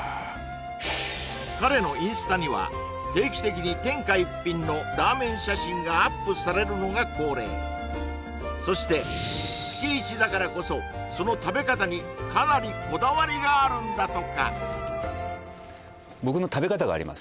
彼のインスタには定期的に天下一品のラーメン写真がアップされるのが恒例そして月一だからこそその食べ方にかなりこだわりがあるんだとか僕の食べ方があります